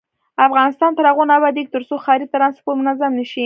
افغانستان تر هغو نه ابادیږي، ترڅو ښاري ترانسپورت منظم نشي.